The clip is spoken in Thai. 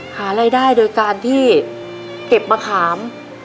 หารายได้โดยการที่เก็บมะขาม